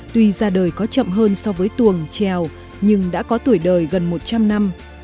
tuy ra đời có chậm hơn so với tuồng trèo nhưng đã có tuổi đời gần một trăm linh năm